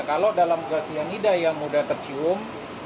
kalau dalam gas cyanida yang mudah tercium